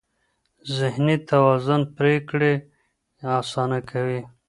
ذهني توازن پرېکړې اسانه کوي.